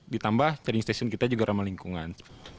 ditambah trading station kita juga ramah lingkungan